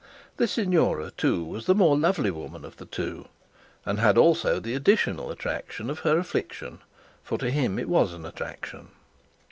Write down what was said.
The signora, too, was the more lovely woman of the two, and had also the additional attraction of her affliction; for to him it was an attraction.